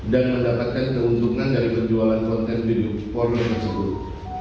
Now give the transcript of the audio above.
dan mendapatkan keuntungan dari penjualan konten video porno tersebut